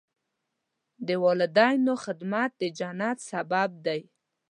د والدینو خدمت د جنت سبب دی.